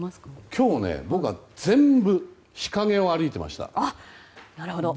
今日、僕は全部日陰を歩いていました。